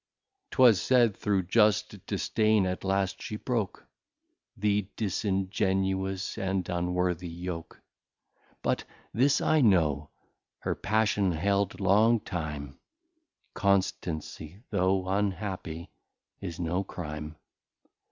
'Twas said, through just Disdain, at last she broke The Disingenious and Unworthy Yoke: But this I know, her Passion held long time, Constancy, though Unhappy, is no Crime.